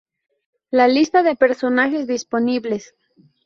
La lista de personajes disponibles.